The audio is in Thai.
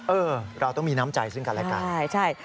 เออเราต้องมีน้ำใจซึ่งกันและกัน